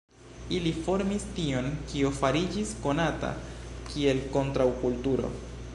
Ili formis tion, kio fariĝis konata kiel kontraŭkulturo.